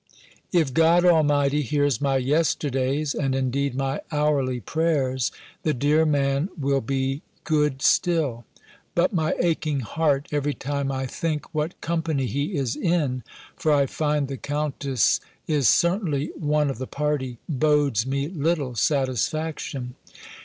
If God Almighty hears my yesterday's, and indeed my hourly, prayers, the dear man will be good still; but my aching heart, every time I think what company he is in (for I find the Countess is certainly one of the party), bodes me little satisfaction.